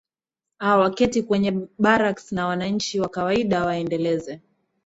aa waketi kwenye barracks na wananchi wa kawaida waendeleze